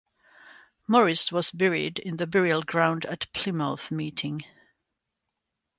Morris was buried in the burial ground at Plymouth Meeting.